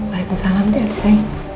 waalaikumsalam tia tia